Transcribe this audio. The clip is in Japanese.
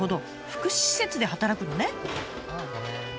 福祉施設で働くのね。